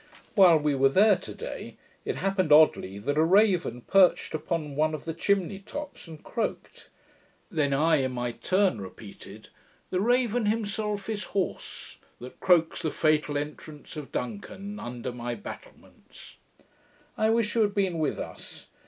While we were there to day, it happened oddly, that a raven perched upon one of the chimney tops, and croaked. Then I in my turn repeated, 'The raven himself is hoarse. That croaks the fatal entrance of Duncan, Under my battlements.' I wish you had been with us.